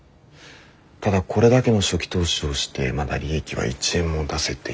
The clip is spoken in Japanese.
ただこれだけの初期投資をしてまだ利益は１円も出せていないと。